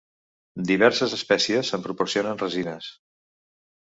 Diverses espècies en proporcionen resines.